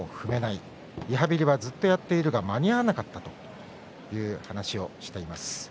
リハビリは、ずっとやっているが間に合わなかったという話をしています。